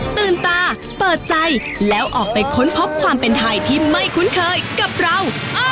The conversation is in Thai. ตื่นตาเปิดใจแล้วออกไปค้นพบความเป็นไทยที่ไม่คุ้นเคยกับเรา